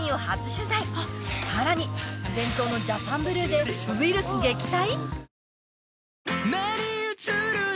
さらに伝統のジャパンブルーでウイルス撃退！？